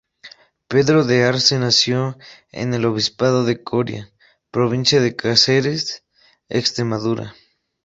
Pedro de Arze nació en el obispado de Coria, Provincia de Cáceres, Extremadura.